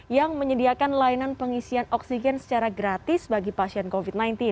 yang menyediakan layanan pengisian oksigen secara gratis bagi pasien covid sembilan belas